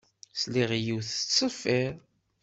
Sliɣ i yiwet tettṣeffiṛ.